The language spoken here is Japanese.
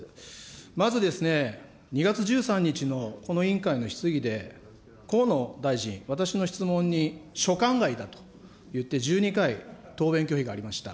まず２月１３日のこの委員会の質疑で、河野大臣、私の質問に所管外だと言って、１２回、答弁拒否がありました。